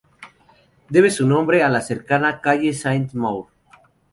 Debe su nombre a la cercana calle Saint-Maur.